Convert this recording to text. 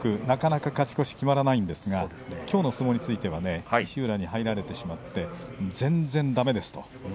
なかなか勝ち越しが決まらないんですがきょうの相撲については石浦に入られてしまって全然だめですと。